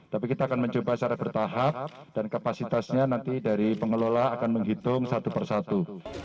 tapi kita akan mencoba secara bertahap dan kapasitasnya nanti dari pengelola akan menghitung satu persatu